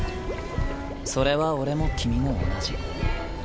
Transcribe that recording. それは俺も君も同じ。